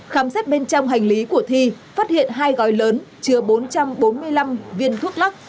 khám xét bên trong hành lý của thi phát hiện hai gói lớn chứa bốn trăm bốn mươi năm viên thuốc lắc